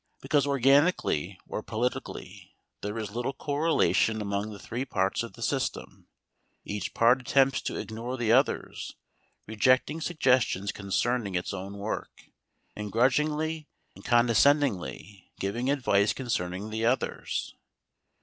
Because organically or politically there is little correlation among the three parts of the system, each part attempts to ignore the others, rejecting suggestions concerning its own work, and grudgingly and condescendingly giving advice concerning the others.